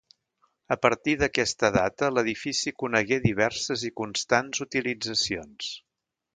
A partir d'aquesta data l'edifici conegué diverses i constants utilitzacions.